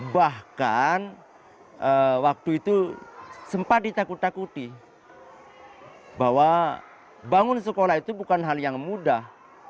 bahkan waktu itu sempat ditakut takuti bahwa bangun sekolah itu bukan hal yang mudah